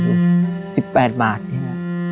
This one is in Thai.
ขอบคุณที่จัดการหน่อย